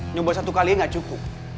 nyoba satu kali gak cukup